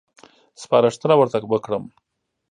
سپارښتنه ورته وکړم.